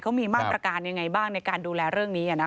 เขามีมาตรการยังไงบ้างในการดูแลเรื่องนี้